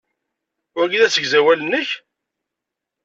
Wagi d asegzawal-nnek?